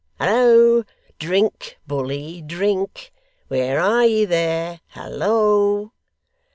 Hallo! Drink, bully, drink. Where are ye there! Hallo!